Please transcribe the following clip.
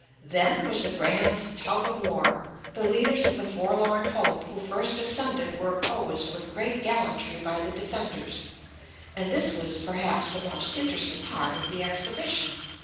Then was the grand tug of war. The leaders of the forlorn hope who first ascended were opposed with great gallantry by the defenders; and this was, perhaps, the most interesting part of the exhibition.